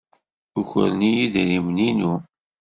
Ukren-iyi idrimen-inu.